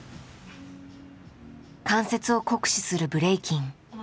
関節を酷使するブレイキン。